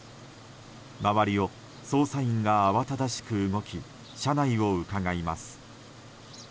周りを捜査員が慌ただしく動き車内をうかがいます。